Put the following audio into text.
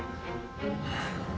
はあ。